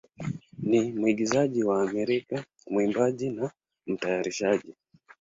ni mwigizaji wa Amerika, mwimbaji, na mtayarishaji.